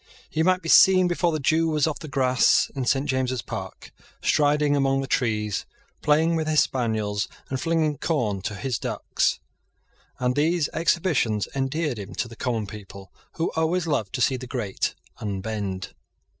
He might be seen, before the dew was off the grass in St. James's Park, striding among the trees, playing with his spaniels, and flinging corn to his ducks; and these exhibitions endeared him to the common people, who always love to See the great unbend.